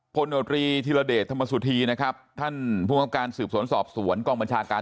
โนตรีธิรเดชธรรมสุธีนะครับท่านภูมิครับการสืบสวนสอบสวนกองบัญชาการ